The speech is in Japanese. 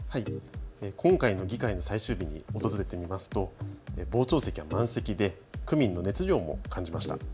今回の議会の最終日に訪れてみますと傍聴席は満席で区民の熱量も感じました。